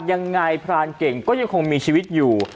ยังไงพรานเก่งก็ยังคงมีชีวิตอยู่